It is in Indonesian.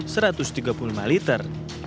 seratus tiga puluh lima liter